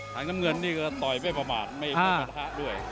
ทางน้ำเงินนี่ก็ต่อยไม่ประมาทไม่มีประทะด้วย